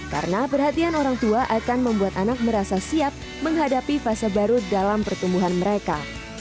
karena perhatian orang tua akan membuat anak merasa siap menghadapi fase baru dalam pertumbuhan mereka